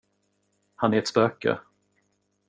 Han är ett spöke.